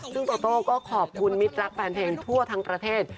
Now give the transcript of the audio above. ซึ่งโตโต้ก็ขอบคุณมิตรรักแฟนเพลงทั่วทั้งประเทศ